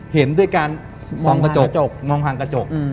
เห็นด้วยการมองผ่านกระจก